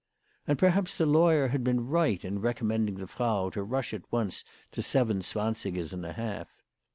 And perhaps the lawyer had been right in recommending the Frau to rush at once to seven zwan sigers and a half.